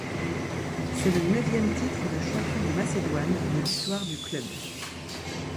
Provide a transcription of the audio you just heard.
C'est le neuvième titre de champion de Macédoine de l'histoire du club.